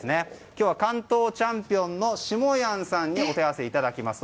今日は関東チャンピオンのしもやんさんにお手合わせいただきます。